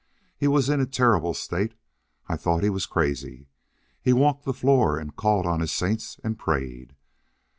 He was in a terrible state. I thought he was crazy. He walked the floor and called on his saints and prayed.